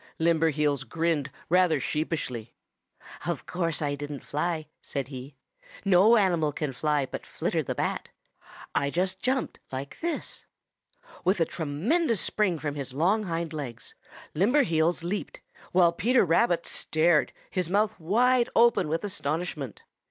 Limberheels grinned rather sheepishly. "Of course I didn't fly," said he. "No animal can fly but Flitter the Bat. I just jumped like this." With a tremendous spring from his long hind legs Limberheels leaped, while Peter Rabbit stared, his mouth wide open with astonishment.